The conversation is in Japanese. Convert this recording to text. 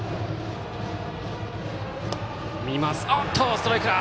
ストライクだ！